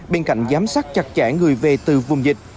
bên cạnh giám sát chặt chẽ người về từ vùng dịch